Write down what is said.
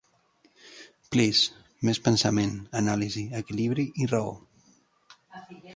Please', més pensament, anàlisi, equilibri i raó.